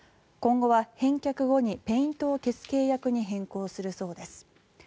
今後は返却後にペイントを消す契約に変更するそうです。